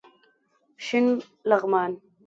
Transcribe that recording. شین لغمان